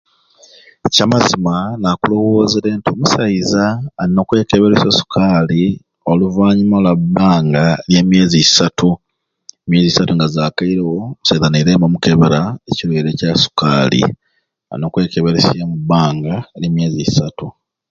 Ekyamazima nakulowoozere nti omusaiza alina okwekeberesya osukaali oluvanyuma lwa bbanga lya myezi isatu emyezi eisatu nga zaakairewo omusaiza nairayo nibamukebera ekirwaire Kya sukaali alina okwekeberesya ebbanga lya myezi isatu.